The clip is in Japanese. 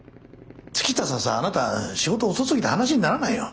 月下さんさあなた仕事遅すぎて話にならないよ。